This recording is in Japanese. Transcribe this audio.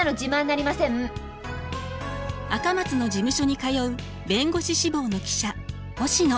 赤松の事務所に通う弁護士志望の記者星野。